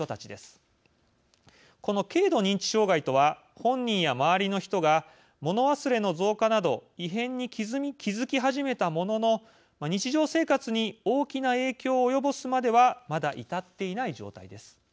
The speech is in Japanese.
この軽度認知障害とは本人や周りの人が物忘れの増加など異変に気付き始めたものの日常生活に大きな影響を及ぼすまではまだ至っていない状態です。